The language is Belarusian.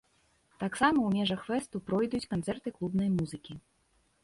Таксама у межах фэсту пройдуць канцэрты клубнай музыкі.